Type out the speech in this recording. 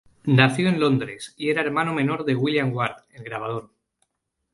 Nació en Londres, y era hermano menor de William Ward, el grabador.